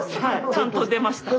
ちゃんと出ました。